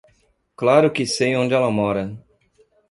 Claro que sei onde ela mora.